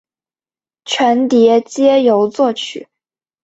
全碟皆由作曲。